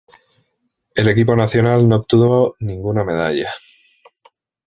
El equipo nacional no obtuvo ninguna medalla.